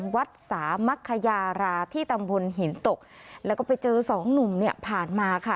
วัดสามักคยาราที่ตำบลหินตกแล้วก็ไปเจอสองหนุ่มเนี่ยผ่านมาค่ะ